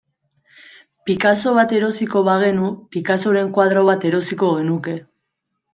Picasso bat erosiko bagenu, Picassoren koadro bat erosiko genuke.